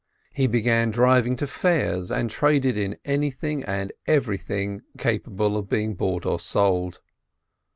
He began driving to fairs, and traded in anything and everything capable of being bought or sold.